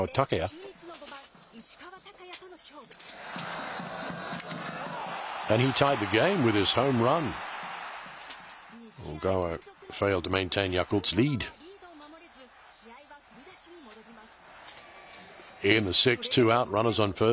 小川はリードを守れず、試合は振り出しに戻ります。